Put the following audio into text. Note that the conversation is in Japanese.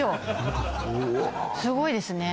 すごいですね